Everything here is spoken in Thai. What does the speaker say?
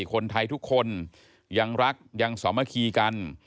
คนไทยทุกคนยังรักยังสามัคคีกัน